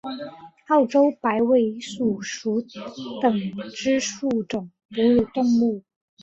澳洲白尾鼠属等之数种哺乳动物。